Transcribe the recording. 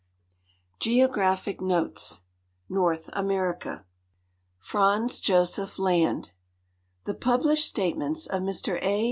GEOGRAPHIC NOTES NORTH AMERICA Fran'z .Iosku L\xd. The published statements of Air A.